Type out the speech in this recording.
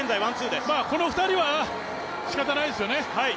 まあこの２人はしかたないですよね。